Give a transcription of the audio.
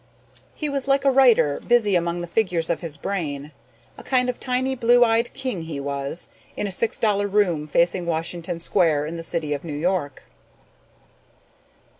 He was like a writer busy among the figures of his brain, a kind of tiny blue eyed king he was, in a six dollar room facing Washington Square in the city of New York.